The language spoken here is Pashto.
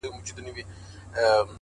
پرېږده دا زخم زړه ـ پاچا وویني ـ